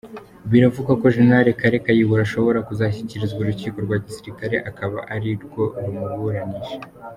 Biravugwa ko Gen kale Kayihura ashobora kuzashyikirizwa Urukiko rwa Gisirikare akaba ari rwo rumuburanisha.